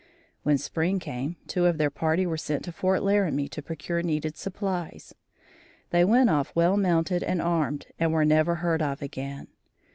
When spring came, two of their party were sent to Fort Laramie to procure needed supplies. They went off well mounted and armed and were never heard of again.